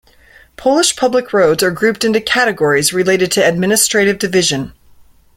Polish public roads are grouped into categories related to administrative division.